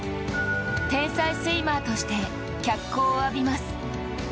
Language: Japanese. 天才スイマーとして脚光を浴びます。